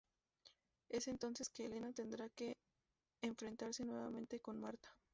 Es entonces que Elena tendrá que enfrentarse nuevamente con Marta.